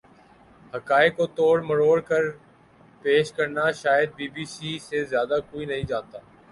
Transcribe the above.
حقائق کو توڑ مروڑ کر پیش کرنا شاید بی بی سی سے زیادہ کوئی نہیں جانتا